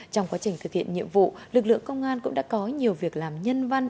trong quá trình thực hiện nhiệm vụ lực lượng công an cũng đã có nhiều việc làm nhân văn